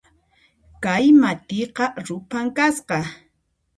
Kay matiqa ruphan kasqa